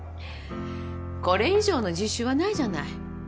これ以上の実習はないじゃない。